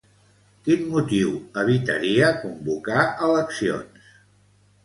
Quin motiu evitaria convocar eleccions?